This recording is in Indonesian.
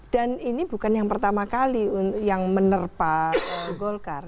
dan ini bukan yang pertama kali yang menerpa golkar